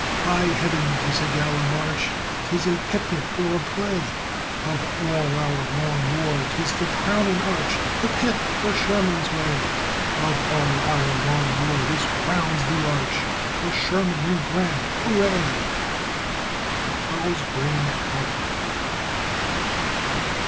By heaven! 'tis a gala march, 'Tis a picnic or a play; Of all our long war 'tis the crowning arch, Hip, hip! for Sherman's way! Of all our long war this crowns the arch For Sherman and Grant, hurrah! CHARLES GRAHAM HALPINE.